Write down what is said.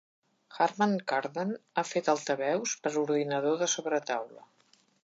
Harman Kardon ha fet altaveus per ordinador de sobretaula.